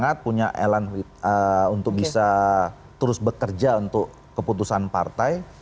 kita juga punya semangat punya elan untuk bisa terus bekerja untuk keputusan partai